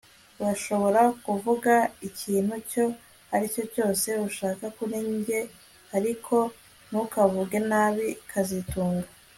Urashobora kuvuga ikintu icyo ari cyo cyose ushaka kuri njye ariko ntukavuge nabi kazitunga